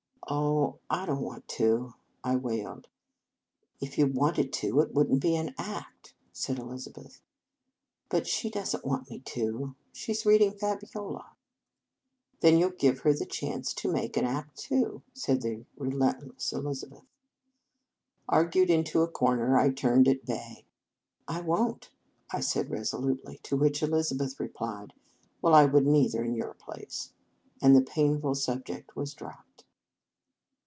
" Oh, I don t want to," I wailed. " If you wanted to, it would n t be an act," said Elizabeth. " But she does n t want me to," I urged. " She is reading ( Fabiola. "" Then you 11 give her the chance to make an act, too," said the relent less Elizabeth. Argued into a corner, I turned at bay. "I won t," I said resolutely; to which Elizabeth replied: "Well, I would n t either, in your place," and the painful subject was dropped.